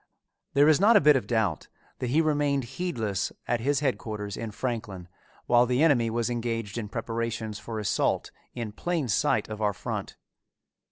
There is not a bit of doubt that he remained heedless at his headquarters in Franklin while the enemy was engaged in preparations for assault in plain sight of our front.